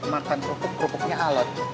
makan kerupuk kerupuknya alat